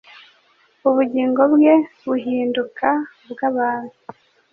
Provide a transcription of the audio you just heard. Ubugingo bwe buhinduka ubw'abantu.